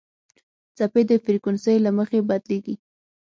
څپې د فریکونسۍ له مخې بدلېږي.